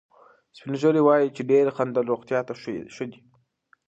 سپین ږیري وایي چې ډېر خندل روغتیا ته ښه دي.